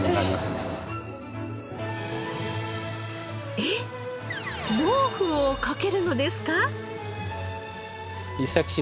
えっ毛布をかけるのですか？